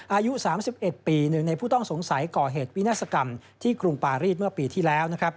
อายุ๓๑ปี๑ในผู้ต้องสงสัยก่อเหตุวินาศกรรมที่กรุงปารีสเมื่อปีที่แล้ว